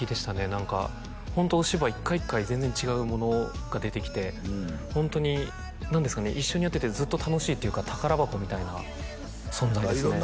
何かホントお芝居一回一回全然違うものが出てきてホントに何ですかね一緒にやっててずっと楽しいっていうか宝箱みたいな存在ですね